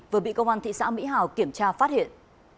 vừa bị công an thị xã mỹ hào kiểm tra phát hiện